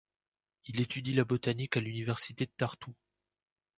Il étudie la botanique à l'université de Tartu.